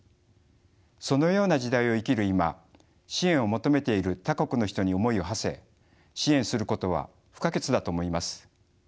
そのような時代を生きる今支援を求めている他国の人に思いをはせ支援することは不可欠だと思います。